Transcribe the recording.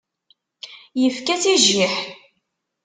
Ifka-tt i jjiḥ.